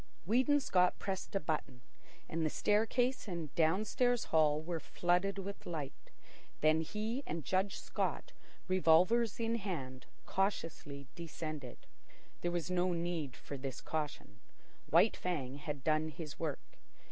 Weedon Scott pressed a button, and the staircase and downstairs hall were flooded with light. Then he and Judge Scott, revolvers in hand, cautiously descended. There was no need for this caution. White Fang had done his work.